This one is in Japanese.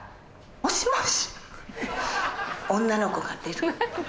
「もしもし？」。